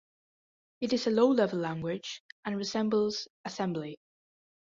It is a low level language and resembles assembly.